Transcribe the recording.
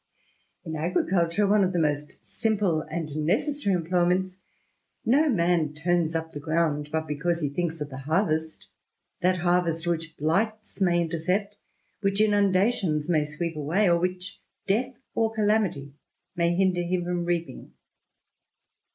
In agriculture, one of the most simple and necessary employ ments, no man turns up the ground but because he thinks of the harvest, that harvest which blights may intercept^ which inundations may sweep away, or which death or famity may hinder him from reaping.